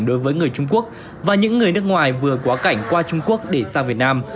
đối với người trung quốc và những người nước ngoài vừa quá cảnh qua trung quốc để sang việt nam